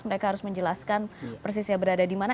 mereka harus menjelaskan persisnya berada di mana